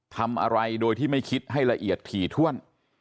ทำอะไรโดยที่ไม่คิดให้ละเอียดถี่ถ้วน